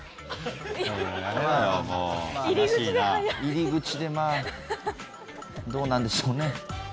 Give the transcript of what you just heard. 入り口でまぁどうなんでしょうね。